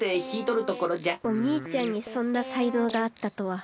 おにいちゃんにそんなさいのうがあったとは。